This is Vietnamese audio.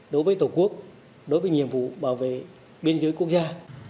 đối với tổ quốc đối với nhiệm vụ bảo vệ biên giới quốc gia